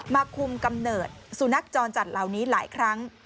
มาคุมกำเนิดสุนัขจรจัดเหล่านี้หลายครั้ง